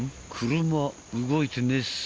車動いてねえっす